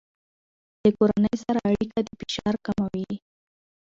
له کورنۍ سره اړیکه د فشار کموي.